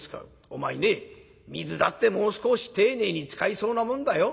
お前ね水だってもう少し丁寧に使いそうなもんだよ。